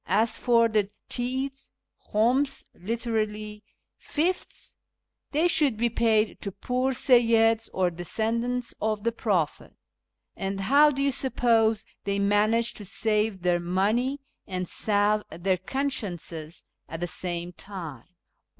^ As for the Tithes {khums, literally " fifths "), they should be paid to poor Seyyids or descendants of the Prophet. And how do you suppose they manage to save their money and salve their consciences at the same time